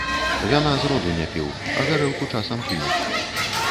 Віна з роду не піў, а гарэлку часам п'ю.